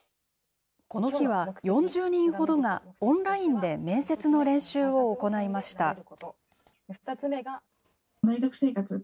この日は、４０人ほどがオンラインで面接の練習を行いました。